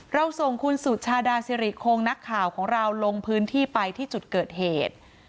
เราส่งคุณสุชาดาสิริคงนักข่าวของเราลงพื้นที่ไปที่จุดเกิดเหตุ